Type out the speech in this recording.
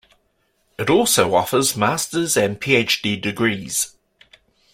It also offers Master's and PhD degrees.